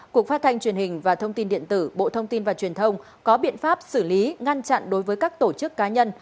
cục phát thanh truyền hình và thông tin điện tử bộ thông tin và truyền thông có biện pháp xử lý ngăn chặn đối với các tổ chức cá nhân